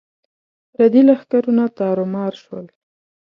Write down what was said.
پردي لښکرونه تارو مار شول.